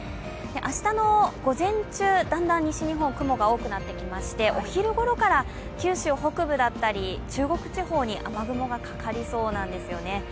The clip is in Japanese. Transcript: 明日の午前中、だんだん西日本は雲が多くなってきまして、お昼ごろから九州北部だったり中国地方に雨雲がかかりそうなんですよね。